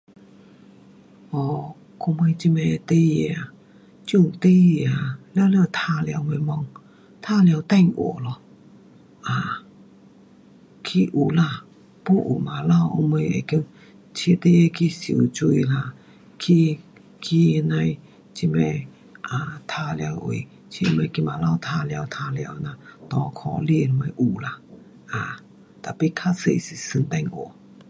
我们这里的孩儿啊，这阵孩儿啊全部玩耍什么，玩耍电话咯，啊，去有啦，pun 有晚头后尾会叫，带孩儿去游泳啦。去，去那呐的这呐玩耍位，带他们去外头玩耍玩耍这样。搭脚车什么有啦，啊，tapi 较多是玩电话。